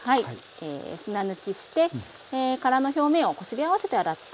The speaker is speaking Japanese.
砂抜きして殻の表面をこすり合わせて洗ったものですね。